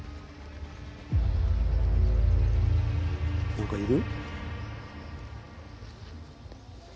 何かいる？